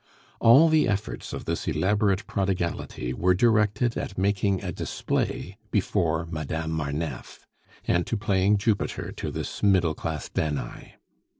All the efforts of this elaborate prodigality were directed at making a display before Madame Marneffe, and to playing Jupiter to this middle class Danae.